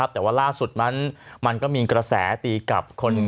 แต่ว่าล่าสุดนั้นมันก็มีกระแสตีกับคน